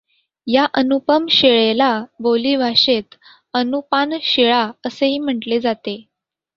या अनुपम शिळेला बोलीभाषेत अनुपान शिळा असेही म्हटले जाते.